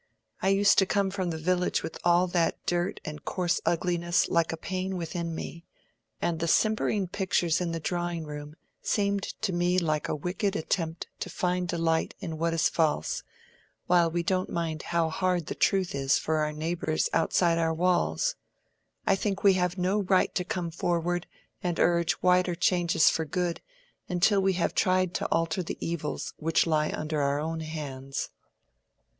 I used to come from the village with all that dirt and coarse ugliness like a pain within me, and the simpering pictures in the drawing room seemed to me like a wicked attempt to find delight in what is false, while we don't mind how hard the truth is for the neighbors outside our walls. I think we have no right to come forward and urge wider changes for good, until we have tried to alter the evils which lie under our own hands."